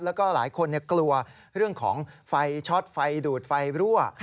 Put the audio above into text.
แล้วก็หลายคนกลัวเรื่องของไฟช็อตไฟดูดไฟรั่ว